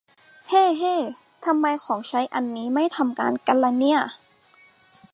เฮ้ เฮ้ ทำไมของใช้อันนี้ไม่ทำงานกันล่ะเนี่ย